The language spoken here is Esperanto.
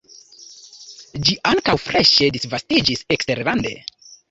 Ĝi ankaŭ freŝe disvastiĝis eksterlande.